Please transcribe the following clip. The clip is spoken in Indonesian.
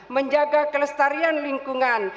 menjaga kelestarian lingkungan